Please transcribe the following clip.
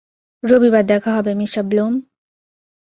রবিবার দেখা হবে, মিঃ ব্লুম।